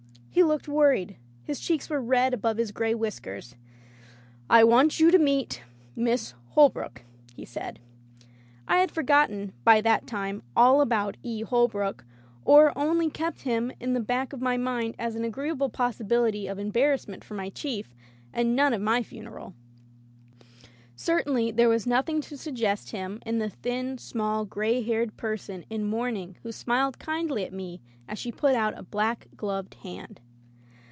He looked worried; his cheeks were red above his gray whiskers. "I want you to meet Miss Holbrook,'* he said. I had forgotten, by that time, all about "E. Holbrook,'* or only kept him in the back of Digitized by LjOOQ IC E. Holbrookes Patience my mind as an agreeable possibility of em barrassment for my chief, and none of my fu neral. Certainly there was nothing to suggest him in the thin, small, gray haired person in mourning who smiled kindly at me as she put out a black gloved hand.